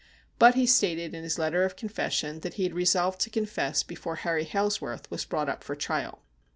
But he stated in his letter of confession that he had resolved to confess before Harry Hailsworth was brought up for trial.